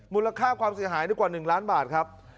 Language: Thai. มูลค่าความเสียหายในกว่า๑ล้านบาทครับ